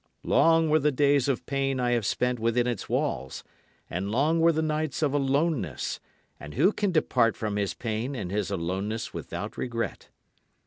Long were the days of pain I have spent within its walls, and long were the nights of aloneness; and who can depart from his pain and his aloneness without regret?